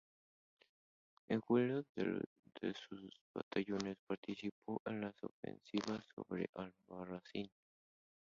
En julio uno de sus batallones participó en la ofensiva sobre Albarracín.